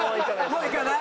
もう行かない？